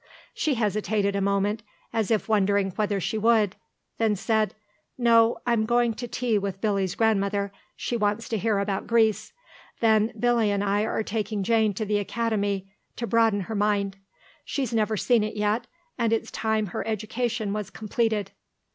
She hesitated a moment, as if wondering whether she would, then said, "No; I'm going to tea with Billy's grandmother; she wants to hear about Greece. Then Billy and I are taking Jane to the Academy, to broaden her mind. She's never seen it yet, and it's time her education was completed."